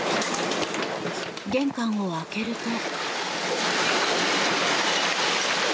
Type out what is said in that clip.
玄関を開けると。